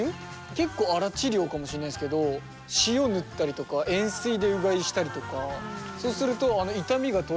結構荒治療かもしれないですけど塩塗ったりとか塩水でうがいしたりとかそうすると痛みがとれて。